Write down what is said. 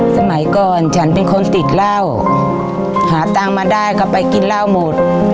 สมัยก่อนฉันเป็นคนติดเหล้าหาตังค์มาได้ก็ไปกินเหล้าหมด